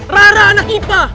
rara anak ipa